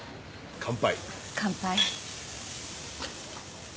乾杯。